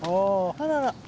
あらら。